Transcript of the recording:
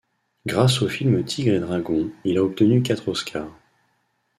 Grâce au film Tigre et Dragon il a obtenu quatre Oscars.